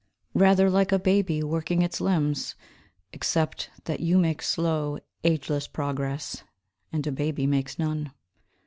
Rather like a baby working its limbs, Except that you make slow, ageless progress And a baby makes none.